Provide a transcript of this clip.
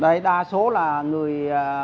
đây đa số là người